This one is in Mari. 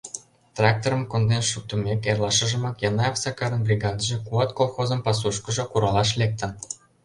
Тракторым конден шуктымек, эрлашыжымак Янаев Сакарын бригадыже «Куат» колхозын пасушкыжо куралаш лектын.